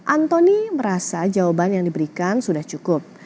antoni merasa jawaban yang diberikan sudah cukup